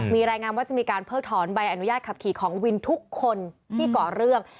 มีรายงานว่าจะมีการเพิกถอนใบอนุญาตขับขี่ของวินทุกคนที่ก่อเรื่อง